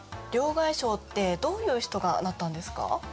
両替商ってどういう人がなったんですか？